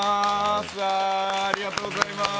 ありがとうございます。